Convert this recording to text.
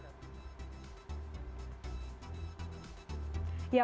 terima kasih pak